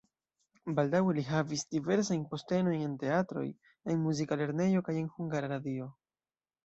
Baldaŭe li havis diversajn postenojn en teatroj, en muzika lernejo kaj en Hungara Radio.